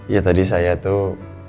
ya tadi saya tuh